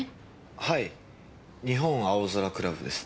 はい日本青空クラブです。